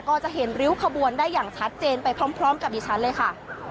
ก็จะเห็นริ้วขบวนได้อย่างชัดเจนไปพร้อมกับดิฉันเลยค่ะ